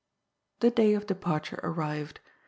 The day of departure arrived.